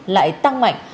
lại tăng mạnh